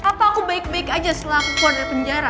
apa aku baik baik aja setelah aku keluar dari penjara